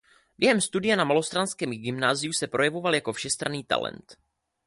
Během studia na malostranském gymnáziu se projevoval jako všestranný talent.